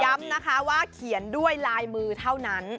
นะคะว่าเขียนด้วยลายมือเท่านั้น